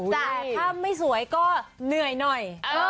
แต่ถ้าไม่สวยก็เหนื่อยหน่อย